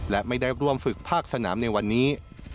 และไม่ได้ร่วมฝึกภาคสนามในวันนี้